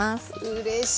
うれしい。